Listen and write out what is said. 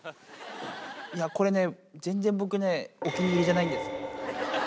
いや、これね、全然僕ね、お気に入りじゃないです。